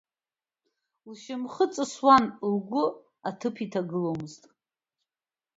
Лшьамхы ҵысуан, лгәы аҭыԥ иҭагыломызт.